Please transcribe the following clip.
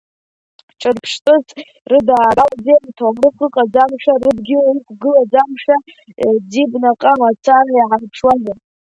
Ҿырԥштәыс ирыдаагалозеи рҭоурых ыҟаӡамшәа, рыдгьыл иқәгылаӡамшәа, ӡибнаҟа мацара иҳарԥшуазар?!